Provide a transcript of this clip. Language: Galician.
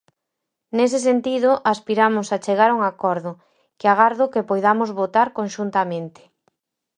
Nese sentido, aspiramos a chegar a un acordo, que agardo que poidamos votar conxuntamente.